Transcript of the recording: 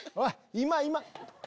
今今！